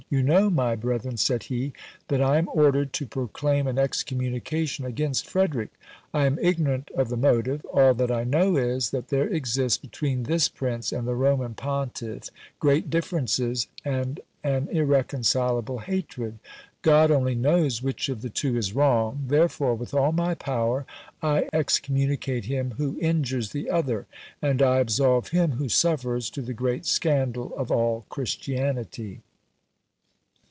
"You know, my brethren (said he), that I am ordered to proclaim an excommunication against Frederick. I am ignorant of the motive. All that I know is, that there exist, between this Prince and the Roman Pontiff great differences, and an irreconcileable hatred. God only knows which of the two is wrong. Therefore with all my power I excommunicate him who injures the other; and I absolve him who suffers, to the great scandal of all Christianity."